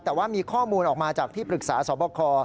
แต่ว่ามีข้อมูลออกมาจากที่ปรึกษาสอบคอ